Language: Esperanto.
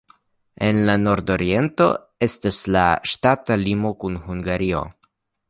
En la nordoriento estas la ŝtata limo kun Hungario.